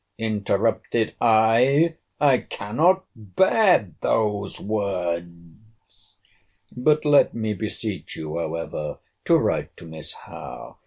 interrupted I—I cannot bear those words!—But let me beseech you, however, to write to Miss Howe.